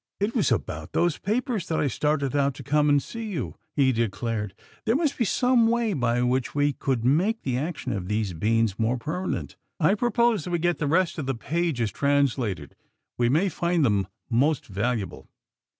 "It was about those papers that I started out to come and see you," he declared. "There must be some way by which we could make the action of these beans more permanent. I propose that we get the rest of the pages translated. We may find them most valuable."